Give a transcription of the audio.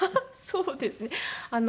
そうですね。